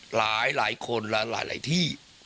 หลายคนและหลายที่